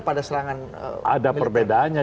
pada serangan ada perbedaannya